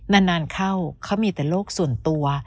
นานเข้าเขามีแต่โลกส่วนตัว